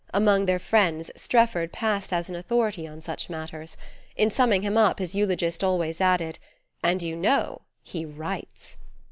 Among their friends Strefford passed as an authority on such matters: in summing him up his eulogists always added: "And you know he writes."